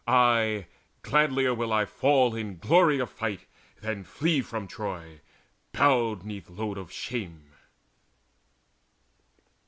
Ay, gladlier would I fall with glory in fight Than flee from Troy, bowed 'neath a load of shame."